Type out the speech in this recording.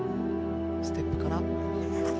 ステップから。